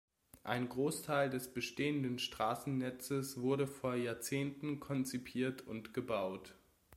Ein Großteil des bestehenden Straßennetzes wurde vor Jahrzehnten konzipiert und gebaut.